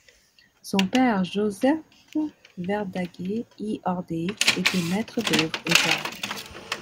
Son père, Josep Verdaguer i Ordeix, était maitre d'œuvre et fermier.